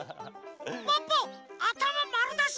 ポッポあたままるだし！